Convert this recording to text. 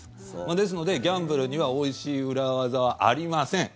ですので、ギャンブルにはおいしい裏技はありません。